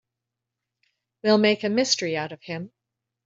We'll make a mystery out of him.